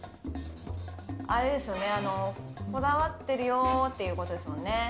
あれですよね、こだわってるよーっていうことですよね。